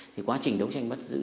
thì quá trình đấu tranh bắt giữ